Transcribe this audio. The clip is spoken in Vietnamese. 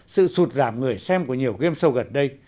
sự sụt giảm người xem của nhiều game show gần đây